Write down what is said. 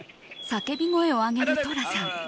叫び声を上げる寅さん。